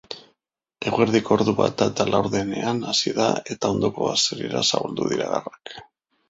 Eguerdiko ordubata eta laurdenean hasi da eta ondoko baserrira zabaldu dira garrak.